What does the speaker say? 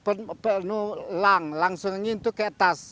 si pencak silat penuh lang langsung ngengin itu ke atas